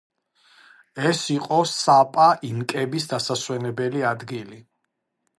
ეს იყო საპა ინკების დასასვენებელი ადგილი.